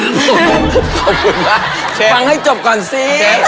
ขอบคุณนะฟังให้จบก่อนสิ